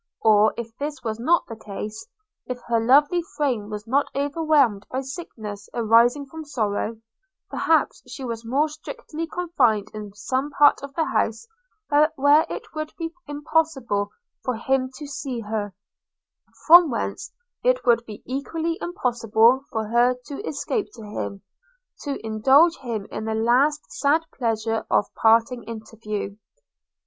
Or, if this was not the case, if her lovely frame was not overwhelmed by sickness arising from sorrow, perhaps she was more strictly confined in some part of the house where it would be impossible for him to see her; from whence it would be equally impossible for her to escape to him, to indulge him in the last sad pleasure of parting interview.